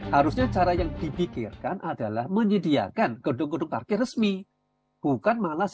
harusnya cara yang dibikirkan adalah menyediakan kedua dua parkir yang berkontribusi pada kemacetan lalu lintas